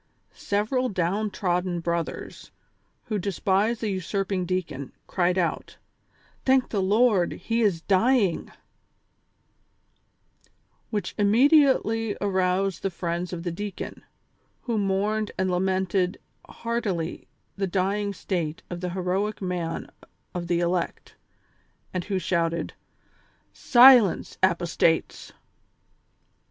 Several downtrodden brothers, who despised the usurping deacon, cried out : "Thank the Lord, he is dying I " Which immediately aroused the friends of the deacon, who mourned and lamented heartily the dying state of the heroic man of the elect, and who shouted :" Silence, apostates